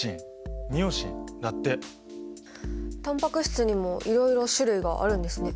タンパク質にもいろいろ種類があるんですね。